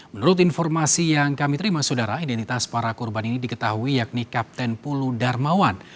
menurut informasi yang kami terima saudara identitas para korban ini diketahui yakni kapten pulu darmawan